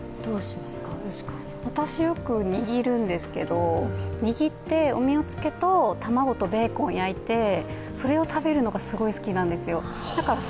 私、よく握るんですけど握っておみおつけを卵とベーコン焼いてそれを食べるのがすごい好きなんですよ。